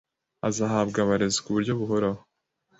azahabwa abarezi ku buryo buhoraho